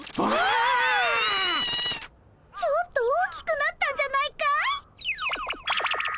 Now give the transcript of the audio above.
ちょっと大きくなったんじゃないかい？